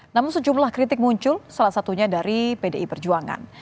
namun sejumlah kritik muncul salah satunya dari pdi perjuangan